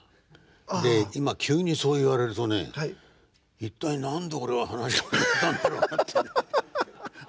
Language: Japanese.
で今急にそう言われるとね一体何で俺は噺家になったんだろうなって。